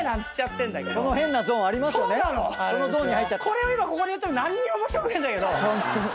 これを今ここで言っても何にも面白くねえんだけど。